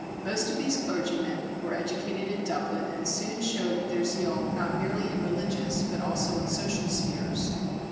Most of these clergymen were educated in Dublin, and soon showed their zeal not merely in religious, but also in social spheres.